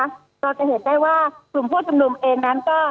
เราจะเห็นได้ว่ากลุ่มผู้ชุมนุมเองนั้นก็